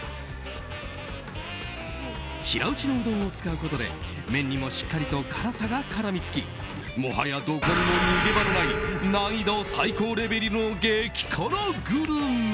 平打ちのうどんを使うことで麺にもしっかりと辛さが絡みつきもはやどこにも逃げ場のない難易度最高レベルの激辛グルメ。